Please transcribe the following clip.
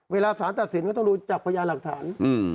เวลาสารตัดสินก็ต้องดูจากพยานหลักฐาน